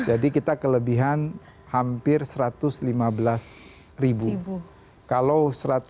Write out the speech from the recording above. jadi kita kelebihan hampir satu ratus lima belas ribu